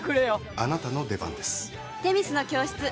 あなたの出番です。